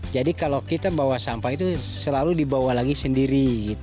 jadi kalau kita bawa sampah itu selalu dibawa lagi sendiri